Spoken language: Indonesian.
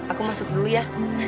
aku masuk dulu ya